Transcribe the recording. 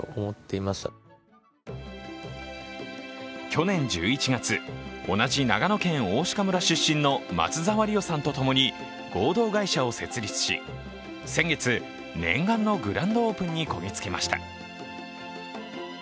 去年１１月、同じ長野県大鹿村出身の松澤莉央さんとともに合同会社を設立し、先月、念願のグランドオープンにこぎつけました。